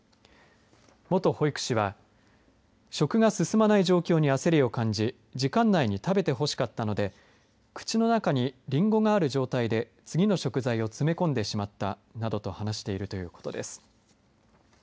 元保育士は食が進まない状況に焦りを感じ時間内に食べてほしかったので口の中にりんごがある状態で次の食材を詰め込んでしまったなどと話しているということです。